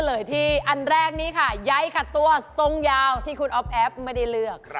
เลยที่อันแรกนี้ค่ะใยขัดตัวทรงยาวที่คุณอ๊อฟแอฟไม่ได้เลือก